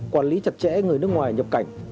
quản lý chặt chẽ người nước ngoài nhập cảnh